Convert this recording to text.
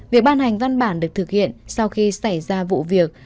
việc ban hành văn bản được thực hiện sau khi xảy ra vụ việc